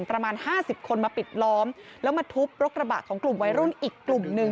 ประมาณห้าสิบคนมาปิดล้อมแล้วมาทุบรถกระบะของกลุ่มวัยรุ่นอีกกลุ่มหนึ่ง